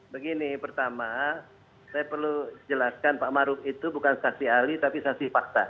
begini pertama saya perlu jelaskan pak maruf itu bukan saksi ahli tapi saksi fakta